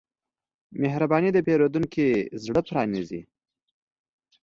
مهرباني د پیرودونکي زړه پرانیزي.